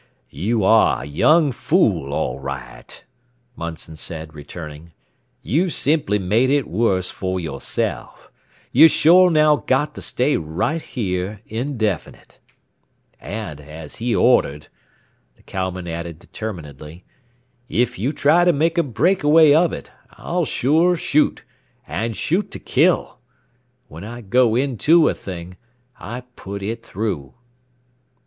"You are a young fool, all right," Munson said, returning. "You've simply made it worse for yourself. You've sure now got to stay right here, indefinite. "And, as he ordered," the cowman added determinedly, "if you try to make a break away of it, I'll sure shoot and shoot to kill! When I go into a thing, I put it through!"